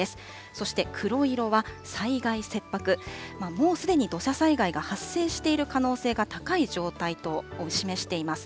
そして黒色は災害切迫、もうすでに土砂災害が発生している可能性が高い状態を示しています。